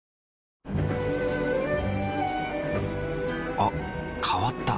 あ変わった。